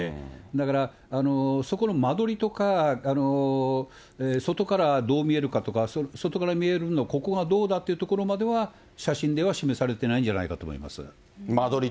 だから、そこの間取りとか、外からどう見えるかとか、外から見えるの、ここがどうだというところまでは、写真では示されてないんじゃないかと思います。